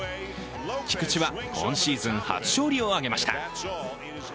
菊池は今シーズン初勝利を挙げました。